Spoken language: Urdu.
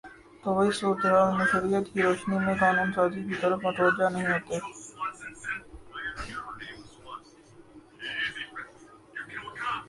تو وہ اس صورتِ حال میں شریعت کی روشنی میں قانون سازی کی طرف متوجہ نہیں ہوتے